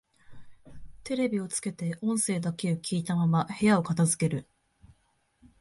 テレビをつけて音声だけを聞いたまま部屋を片づける